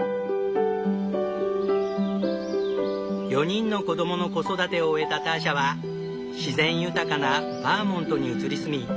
４人の子供の子育てを終えたターシャは自然豊かなバーモントに移り住み